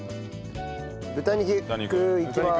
豚肉いきまーす。